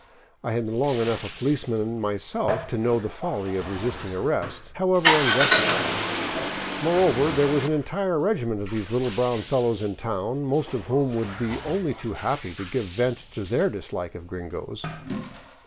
I had been long enough a policeman myself to know the folly of resisting arrest, however un justified; moreover, there was an entire regiment of these little brown fellows in town, most of whom would be only too happy to give vent to their dislike of gringos.